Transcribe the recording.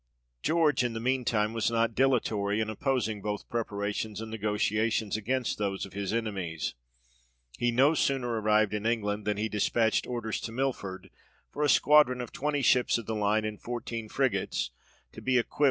George in the mean time was not dilatory in opposing both preparations and negotiations against those of his enemies. He no sooner arrived in England, than he despatched orders to Milford, for a squadron of twenty ships of the line, and fourteen frigates, to be equipped 1 Stephenson, vol. i. p.